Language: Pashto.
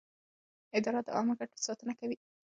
اداره د عامه ګټو ساتنه کوي.